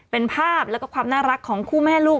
เป็นภาพแล้วก็ความน่ารักของคู่แม่ลูก